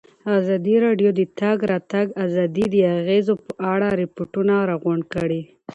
ازادي راډیو د د تګ راتګ ازادي د اغېزو په اړه ریپوټونه راغونډ کړي.